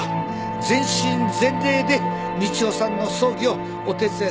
全身全霊で道夫さんの葬儀をお手伝いさせていただきます。